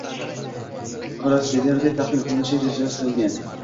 krossoveri taqdim qilinishi rejalashtirilgan.